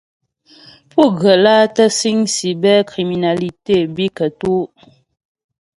Pú ghə́ lǎ tə́ síŋ cybercriminalité bǐ kətú' ?